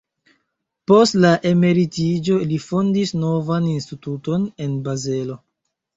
Post la emeritiĝo li fondis novan instituton en Bazelo.